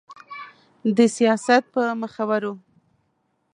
د سياست په مخورو